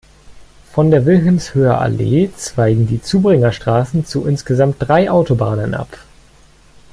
Von der Wilhelmshöher Allee zweigen die Zubringerstraßen zu insgesamt drei Autobahnen ab.